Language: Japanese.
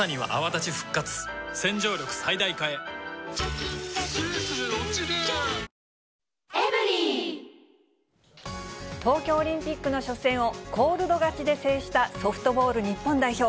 技術とかでゴールとかを見た東京オリンピックの初戦をコールド勝ちで制したソフトボール日本代表。